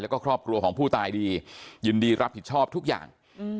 แล้วก็ครอบครัวของผู้ตายดียินดีรับผิดชอบทุกอย่าง